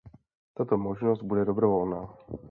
Tato možnost bude dobrovolná.